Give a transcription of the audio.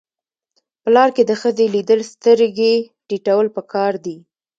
په لار کې د ښځې لیدل سترګې ټیټول پکار دي.